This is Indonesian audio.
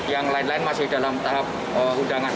yang lain lain masih dalam tahap undangan